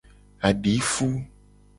Adifu.